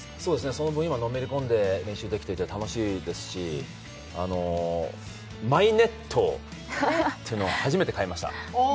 その分、今のめり込んで練習できてて楽しいですし、マイネットっていうのを初めて買いました。